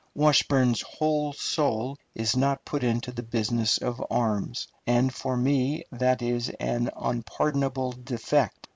Washburn's whole soul is not put into the business of arms, and for me that is an unpardonable defect.